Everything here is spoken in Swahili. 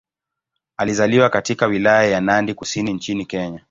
Alizaliwa katika Wilaya ya Nandi Kusini nchini Kenya.